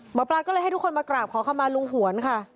หมอปลาก็เลยให้ทุกคนมากราบขอเข้ามาลุงหวนค่ะ